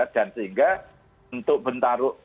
dan sehingga untuk bentaruk